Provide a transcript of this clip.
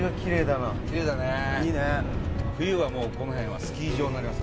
冬はもうこの辺はスキー場になりますからずっと。